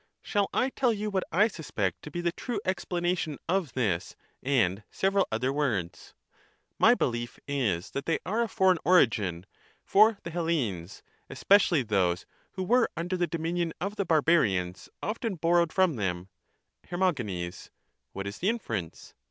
Shall I tell you what I suspect to be the true expla nation of this and several other words ?— My belief is that they are of foreign origin. For the Hellenes, especially those who were under the dominion of the barbarians, often borrowed from them. Her. What is the inference?